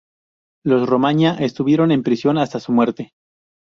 Los Romaña estuvieron en prisión hasta su muerte.